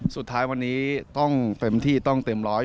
สุดท้ายวันนี้ต้องเต็มที่ต้องเต็มร้อย